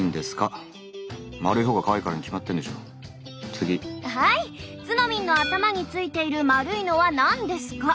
「ツノミンの頭についている丸いのは何ですか？」。